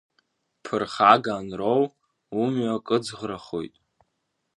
Ԥырхага анроу, умҩа кыҵӷрахоит.